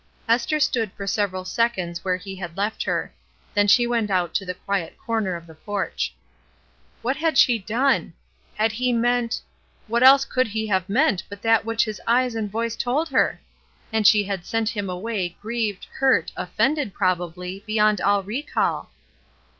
Esther stood for 'several seconds where he had left her; then she went out to the quiet corner of the porch. What had she done? Had he meant — what else could he have meant but that which his eyes and voice told her ? And she had sent him away grieved, hurt, offended, probably, beyond all recall.